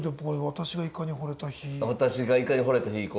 「私がイカにほれた日」いこうよ。